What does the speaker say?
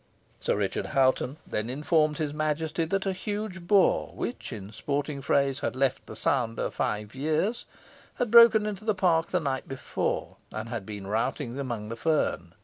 Sir Richard Hoghton then informed his Majesty that a huge boar, which, in sporting phrase, had left the sounder five years, had broken into the park the night before, and had been routing amongst the fern.